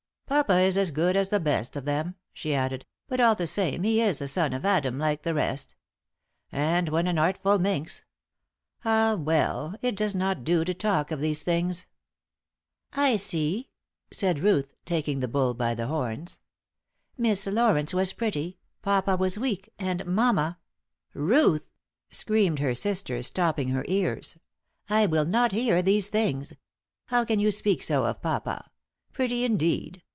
"Papa is as good as the best of them," she added, "but all the same, he is a son of Adam, like the rest. And when an artful minx Ah, well, it does not do to talk of these things." "I see," said Ruth, taking the bull by the horns. "Miss Laurence was pretty, papa was weak, and mamma " "Ruth!" screamed her sister, stopping her ears. "I will not hear these things! How can you speak so of papa? Pretty, indeed!